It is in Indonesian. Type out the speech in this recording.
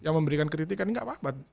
yang memberikan kritik kan enggak apa apa